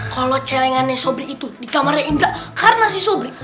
kalau celengannya sobri itu di kamarnya indra karena si sobri